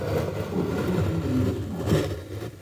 Кожны год у мяне ёсць мара.